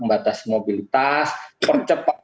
membatasi mobilitas percepat